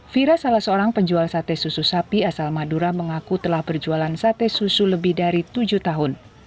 fira salah seorang penjual sate susu sapi asal madura mengaku telah berjualan sate susu lebih dari tujuh tahun